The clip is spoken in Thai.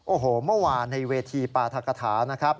โอ้โหเมื่อวานในเวทีปราธกฐานะครับ